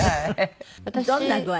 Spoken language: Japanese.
どんな具合？